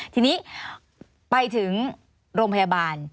ทีนี้ไปถึงโรงพยาบาล